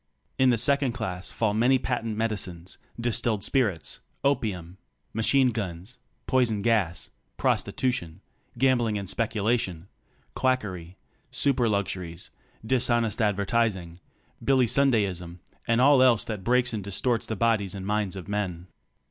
. In the second class fall many patent medicines, distilled spirits, opium, machine guns, poison gas, prostitution, gam bling and speculation, quackery, super luxuries, dishonest ad vertising, "Billy Sundayism" and all else that breaks and dis torts the bodies and the minds of men.